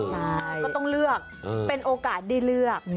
ใช่ก็ต้องเลือกเป็นโอกาสได้เลือก